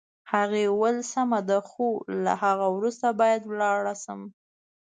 هغې وویل: سمه ده، خو له هغه وروسته باید ولاړه شم.